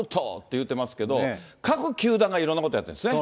言うてますけど、各球団がいろんなことやってるんですね。